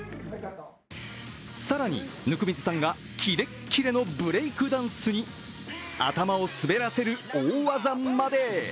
更に、温水さんがキレッキレのブレークダンスに頭を滑らせる大技まで。